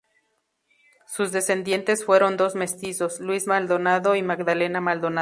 Sus descendientes fueron dos mestizos: Luis Maldonado y Magdalena Maldonado.